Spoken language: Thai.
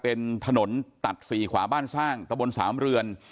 เป็นถนนตัดสี่ขวาบ้านสร้างตะบนสามเรือน